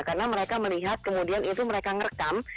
karena mereka melihat kemudian itu mereka ngerekam